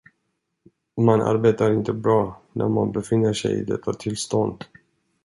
Man arbetar inte bra, när man befinner sig i detta tillstånd.